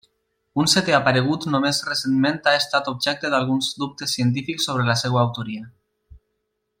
Un setè aparegut només recentment ha estat objecte d'alguns dubtes científics sobre la seva autoria.